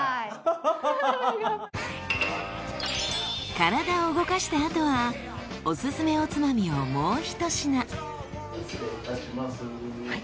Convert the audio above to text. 体を動かしたあとはオススメおつまみをもう１品。